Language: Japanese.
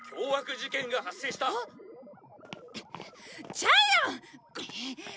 ジャイアン！